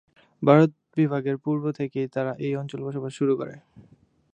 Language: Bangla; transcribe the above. ভারত বিভাগের পুর্ব থেকেই তারা এই অঞ্চলে বসবাস শুরু করে।